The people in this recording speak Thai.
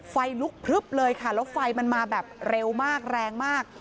ไฟลุกพลึบเลยค่ะแล้วไฟมันมาแบบเร็วมากแรงมาก